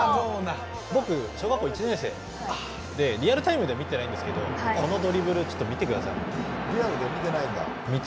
僕は小学校１年生でリアルタイムでは見てないんですけどこのドリブルを見てください。